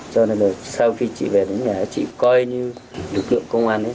cho nên là sau khi chị về đến nhà chị coi như lực lượng công an ấy